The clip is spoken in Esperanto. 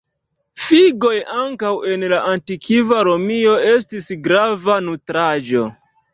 Figoj ankaŭ en la antikva Romio estis grava nutraĵo.